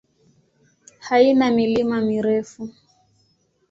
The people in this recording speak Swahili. Haina milima mirefu.